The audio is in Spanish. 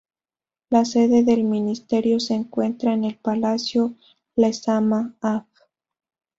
La sede del ministerio se encuentra en el Palacio Lezama, Av.